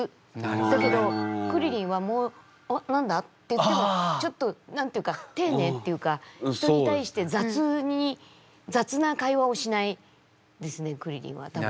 だけどクリリンは「おっ何だ？」って言ってもちょっと何て言うか丁寧っていうか人に対して雑な会話をしないですねクリリンは多分。